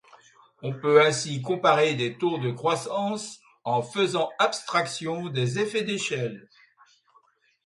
On peut ainsi comparer des taux de croissance en faisant abstraction des effets d'échelle.